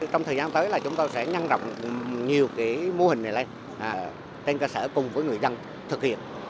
trong thời gian tới là chúng tôi sẽ nhân rộng nhiều mô hình này lên trên cơ sở cùng với người dân thực hiện